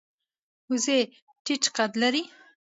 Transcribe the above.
وزې ټیټه قد لري